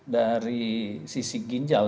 dari sisi ginjal